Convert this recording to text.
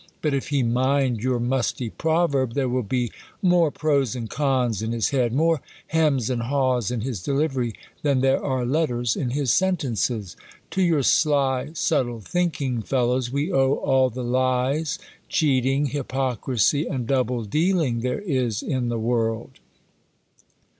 But if he mind your musty proverb, there will be more pros and cons in his head, more hems and haws in his delivery, than there arc letters in his sentences. To your sly, subtle, thinking fellows, w^e owe all the lies, cheating, hypocrisy, and double dealing there is m the world.